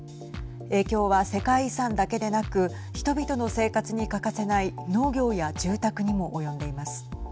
影響は世界遺産だけでなく人々の生活に欠かせない農業や住宅にも及んでいます。